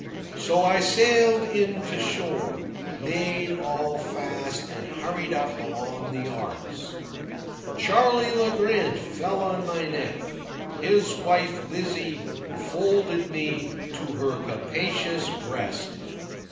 So I sailed in to shore, made all fast, and hurried up among the arks. Charley Le Grant fell on my neck. His wife, Lizzie, folded me to her capacious breast.